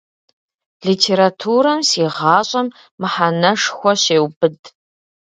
Литературэм си гъащӏэм мэхьэнэшхуэ щеубыд.